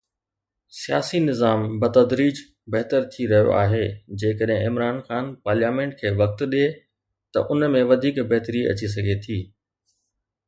سياسي نظام بتدريج بهتر ٿي رهيو آهي جيڪڏهن عمران خان پارليامينٽ کي وقت ڏئي ته ان ۾ وڌيڪ بهتري اچي سگهي ٿي.